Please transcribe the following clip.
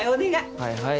はいはい。